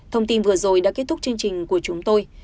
thông tin vừa rồi đã kết thúc chương trình của chúng tôi